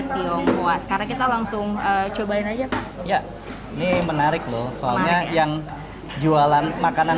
tionghoa sekarang kita langsung cobain aja pak ya ini menarik loh soalnya yang jualan makanan